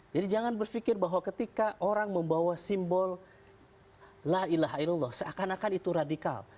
jadi jangan berpikir bahwa ketika orang membawa simbol la ilaha ilallah seakan akan itu radikal